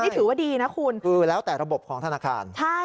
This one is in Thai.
ใช่คือแล้วแต่ระบบของธนาคารนี่ถือว่าดีนะคุณ